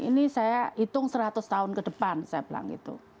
ini saya hitung seratus tahun ke depan saya bilang gitu